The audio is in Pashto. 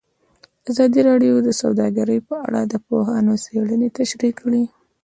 ازادي راډیو د سوداګري په اړه د پوهانو څېړنې تشریح کړې.